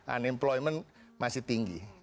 unemployment masih tinggi